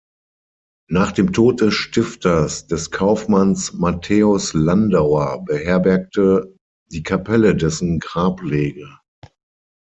Nach dem Tod des Stifters, des Kaufmanns Matthäus Landauer, beherbergte die Kapelle dessen Grablege.